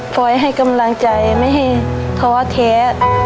คอยให้กำลังใจไม่ให้ท้อแท้